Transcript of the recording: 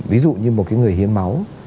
ví dụ như một cái người hiến máu